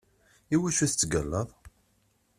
Iwacu tettgallaḍ?